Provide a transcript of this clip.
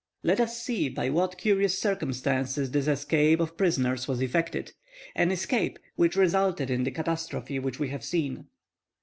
Let us see by what curious circumstances this escape of prisoners was effected,—an escape which resulted in the catastrophe which we have seen.